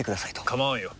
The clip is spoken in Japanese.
構わんよ。